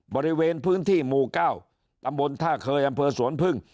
บริเวณพื้นที่หมู่๙ตำบลท่าเคยอำเภอสวนพึ่ง